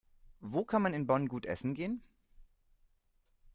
Wo kann man in Bonn gut essen gehen?